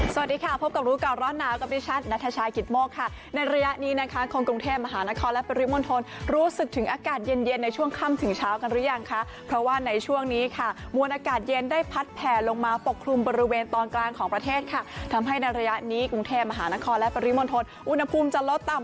สวัสดีค่ะพบกับรู้ก่อนร้อนหนาวกับดิฉันนัทชายกิตโมกค่ะในระยะนี้นะคะคนกรุงเทพมหานครและปริมณฑลรู้สึกถึงอากาศเย็นเย็นในช่วงค่ำถึงเช้ากันหรือยังคะเพราะว่าในช่วงนี้ค่ะมวลอากาศเย็นได้พัดแผ่ลงมาปกคลุมบริเวณตอนกลางของประเทศค่ะทำให้ในระยะนี้กรุงเทพมหานครและปริมณฑลอุณหภูมิจะลดต่ำ